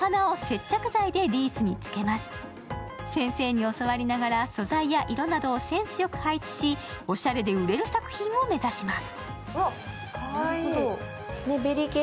先生に教わりながら素材や色などを配置し、おしゃれで売れる作品を目指します。